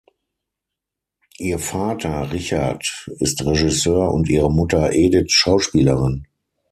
Ihr Vater Richard ist Regisseur und ihre Mutter Edith Schauspielerin.